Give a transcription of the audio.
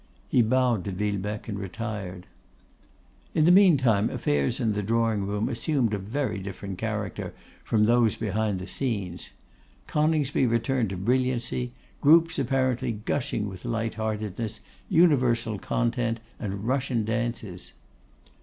He bowed to Villebecque and retired. In the meantime affairs in the drawing room assumed a very different character from those behind the scenes. Coningsby returned to brilliancy, groups apparently gushing with light heartedness, universal content, and Russian dances!